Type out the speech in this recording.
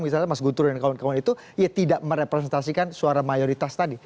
misalnya mas guntur dan kawan kawan itu ya tidak merepresentasikan suara mayoritas tadi